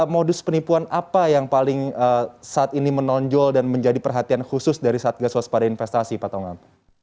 modus penipuan apa yang paling saat ini menonjol dan menjadi perhatian khusus dari satgas waspada investasi pak tongam